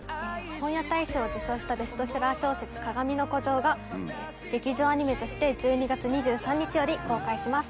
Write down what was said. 本屋大賞を受賞したベストセラー小説『かがみの孤城』が劇場アニメとして１２月２３日より公開します。